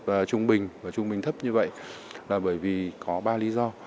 thu nhập trung bình và trung bình thấp như vậy là bởi vì có ba lý do